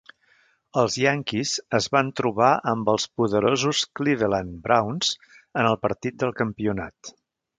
Els Yankees es van trobar amb els poderosos Cleveland Browns en el partit del campionat.